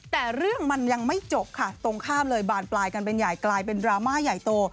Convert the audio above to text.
แต่เรื่องมันยังไม่จบค่ะตรงข้ามเลยบานปลายกันเป็นใหญ่กลายเป็นดราม่าใหญ่โต